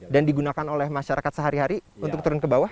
dan digunakan oleh masyarakat sehari hari untuk turun ke bawah